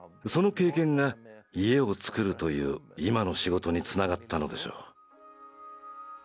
その経験が家をつくるという今の仕事につながったのでしょう。